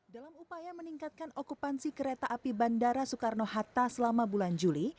dalam upaya meningkatkan okupansi kereta api bandara soekarno hatta selama bulan juli